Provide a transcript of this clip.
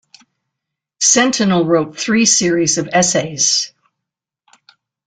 Centinel wrote three series of essays.